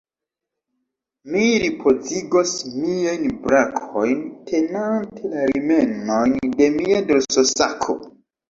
Mi ripozigos miajn brakojn, tenante la rimenojn de mia dorsosako.